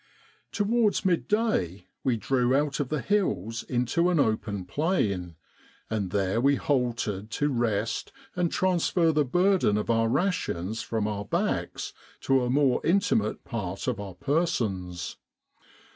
Towards midday we drew out of the hills into an open plain, and there we halted to rest and transfer the burden of our rations from our backs to a more intimate part of our persons.